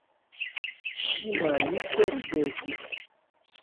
Ŝi malice ridetis.